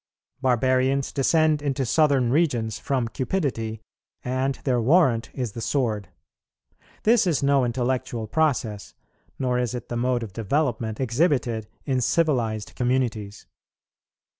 Barbarians descend into southern regions from cupidity, and their warrant is the sword: this is no intellectual process, nor is it the mode of development exhibited in civilized communities.